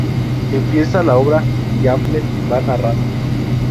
Empieza la obra, y Hamlet va narrando.